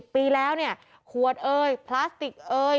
ปีแล้วเนี่ยขวดเอ่ยพลาสติกเอย